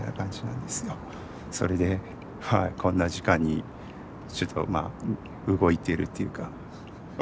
それでこんな時間にちょっとまあ動いてるっていうか起きてる。